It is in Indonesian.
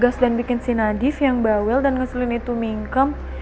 terus dan bikin si nadif yang bawel dan ngeselin itu mingkem